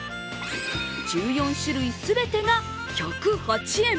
１４種類全てが１０８円。